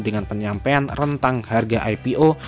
dengan penyampaian rentang harga ipo